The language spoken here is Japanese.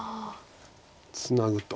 ツナぐと。